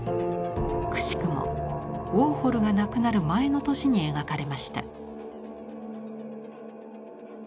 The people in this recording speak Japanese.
くしくもウォーホルが亡くなる前の年に描かれました。